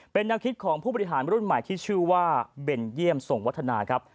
เป็นแนวคิดของผู้บริหารรุ่นใหม่ที่ชื่อว่าเบนเยี่ยมส่งวัฒนาครับ